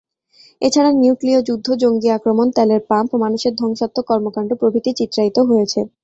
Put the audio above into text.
এছাড়া নিউক্লীয় যুদ্ধ, জঙ্গী আক্রমণ, তেলের পাম্প, মানুষের ধ্বংসাত্মক কর্মকাণ্ড প্রভৃতি চিত্রায়িত হয়েছে।